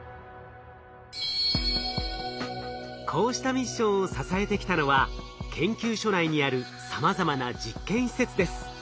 こうしたミッションを支えてきたのは研究所内にあるさまざまな実験施設です。